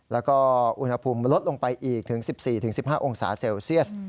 แล้วก็อุณหภูมิลดลงไปอีกถึงสิบสี่ถึงสิบห้าองศาเซลเซียส